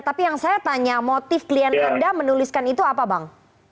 tapi yang saya tanya motif klien anda menuliskan itu apa bang